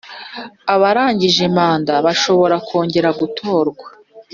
Abarangije manda bashobora kongera gutorwa